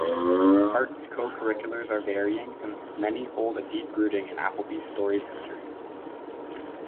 Arts co-curriculars are varying and many hold a deep rooting in Appleby's storied history.